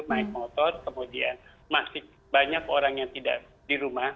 naik motor kemudian masih banyak orang yang tidak di rumah